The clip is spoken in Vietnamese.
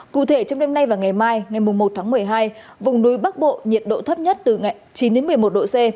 cụ thể trong đêm nay và ngày mai vùng núi bắc bộ nhiệt độ thấp nhất từ chín một mươi một độ c